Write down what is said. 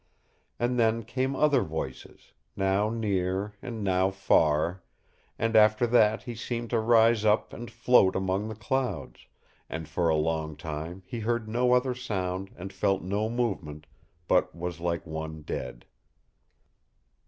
And then came other voices, now near and now far, and after that he seemed to rise up and float among the clouds, and for a long time he heard no other sound and felt no movement, but was like one dead.